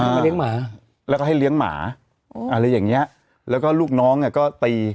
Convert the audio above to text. มาเลี้ยงหมาแล้วก็ให้เลี้ยงหมาอะไรอย่างเงี้ยแล้วก็ลูกน้องอ่ะก็ตี